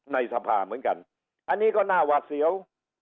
ในสภาเหมือนกันอันนี้ก็น่าหวาดเสียว